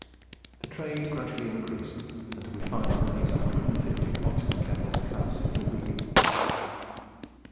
The trade gradually increased, until we find as many as 150 pots and kettles cast in a week.